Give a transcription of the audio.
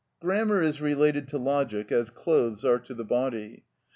Grammar is related to logic as clothes to the body.